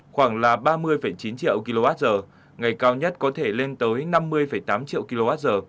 khoảng là ba mươi chín triệu kwh ngày cao nhất có thể lên tới năm mươi tám triệu kwh